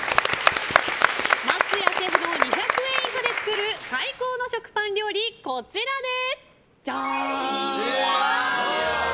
枡谷シェフの２００円以下で作る最高の食パン料理、こちらです。